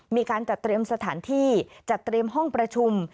มีการจัดเตรียมสถานที่จัดเตรียมห้องประชุม